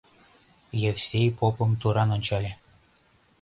— Евсей попым туран ончале.